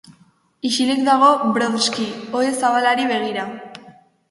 Isilik dago Brodsky, ohe zabalari begira.